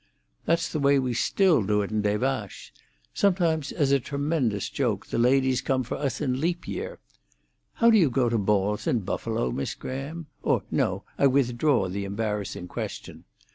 "That's the way we still do in Des Vaches. Sometimes, as a tremendous joke, the ladies come for us in leap year. How do you go to balls in Buffalo, Miss Graham? Or, no; I withdraw the embarrassing question."